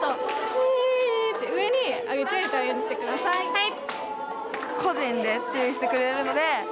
はい！